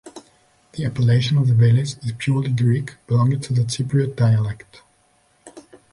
The appellation of the village is purely Greek, belonging to the Cypriot dialect.